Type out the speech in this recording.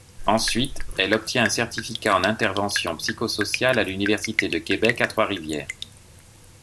Ensuite, elle obtient un certificat en Intervention psychosociale à l'Université du Québec à Trois-Rivières.